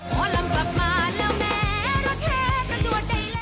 เพราะลำบับมาแล้วแม่รักเทพกันตัวเดียว